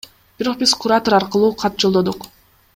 Бирок биз куратор аркылуу кат жолдодук.